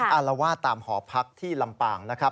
อารวาสตามหอพักที่ลำปางนะครับ